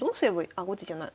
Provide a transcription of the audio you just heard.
あ後手じゃない。